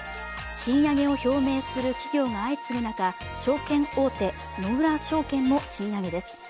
賃上げを表明する企業が相次ぐ中証券大手・野村証券も賃上げです。